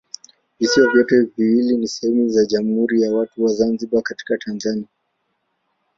Visiwa vyote viwili ni sehemu za Jamhuri ya Watu wa Zanzibar katika Tanzania.